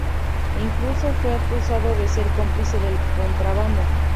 Incluso fue acusado de ser cómplice del contrabando.